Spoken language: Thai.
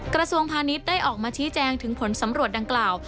กระทรวงพาณิชย์ได้ออกมาชี้แจงถึงผลสำรวจดังกล่าว